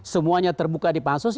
semuanya terbuka di pansus